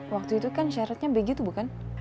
waktu itu kan syaratnya begitu bukan